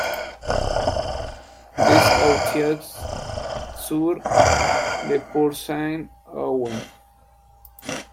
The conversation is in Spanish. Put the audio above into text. Les Authieux-sur-le-Port-Saint-Ouen